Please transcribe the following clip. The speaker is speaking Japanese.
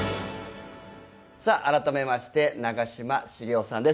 さあ改めまして長嶋茂雄さんです。